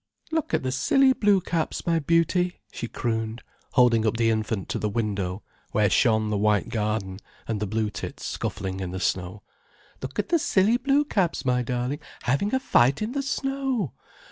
"Look at the silly blue caps, my beauty," she crooned, holding up the infant to the window, where shone the white garden, and the blue tits scuffling in the snow: "Look at the silly blue caps, my darling, having a fight in the snow!